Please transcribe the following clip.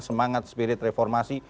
semangat spirit reformasi